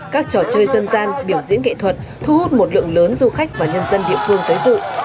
các trò chơi dân gian biểu diễn nghệ thuật thu hút một lượng lớn du khách và nhân dân địa phương tới dự